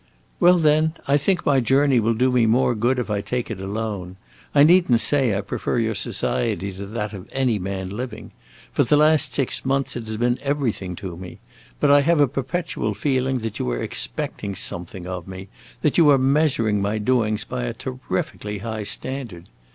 "Well, then, I think my journey will do me more good if I take it alone. I need n't say I prefer your society to that of any man living. For the last six months it has been everything to me. But I have a perpetual feeling that you are expecting something of me, that you are measuring my doings by a terrifically high standard.